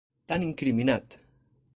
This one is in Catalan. T'han incriminat!